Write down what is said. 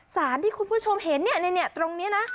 สารที่คุณผู้ชมเห็นเนี่ยตรงนี้นะ